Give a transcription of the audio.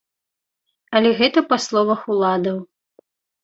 Але гэта па словах уладаў.